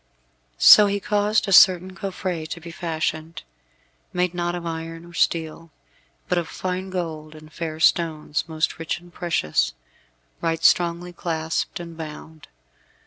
So he caused a certain coffret to be fashioned, made not of iron or steel, but of fine gold and fair stones, most rich and precious, right strongly clasped and bound.